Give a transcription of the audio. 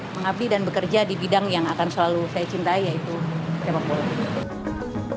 mengabdi dan bekerja di bidang yang akan selalu saya cintai yaitu sepak bola